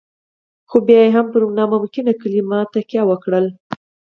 خو بيا يې هم پر ناممکن کلمه تکيه وکړه.